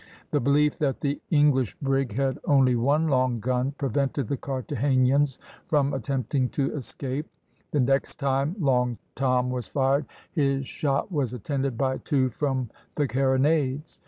The belief that the English brig had only one long gun prevented the Carthagenans from attempting to escape. The next time Long Tom was fired, his shot was attended by two from the carronades.